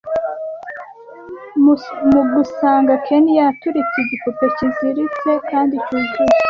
mugusanga Ken yaturitse igipupe, cyiziritse kandi cyuzuye